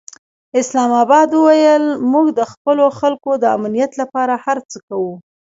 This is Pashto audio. اسلام اباد وویل، موږ د خپلو خلکو د امنیت لپاره هر څه کوو.